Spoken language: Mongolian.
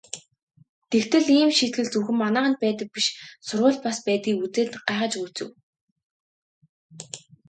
Тэгтэл ийм шийтгэл зөвхөн манайханд байдаг биш сургуульд бас байдгийг үзээд гайхаж гүйцэв.